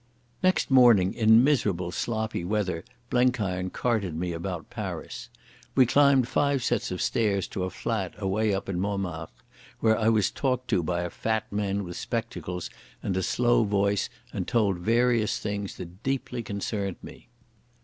Next morning in miserable sloppy weather Blenkiron carted me about Paris. We climbed five sets of stairs to a flat away up in Montmartre, where I was talked to by a fat man with spectacles and a slow voice and told various things that deeply concerned me.